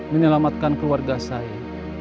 menyelamatkan keluarga saya